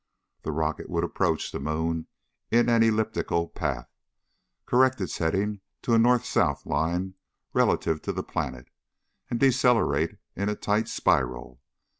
The rocket would approach the moon in an elliptical path, correct its heading to a north south line relative to the planet and decelerate in a tight spiral.